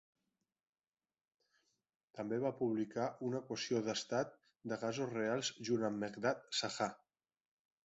També va publicar una equació d'estat de gasos reals junt amb Meghnad Saha.